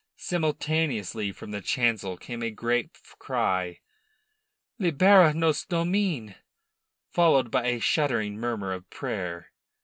Simultaneously from the chancel came a great cry: "Libera nos, Domine!" followed by a shuddering murmur of prayer.